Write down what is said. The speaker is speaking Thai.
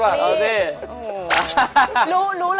แฟร์แฟร์แฟร์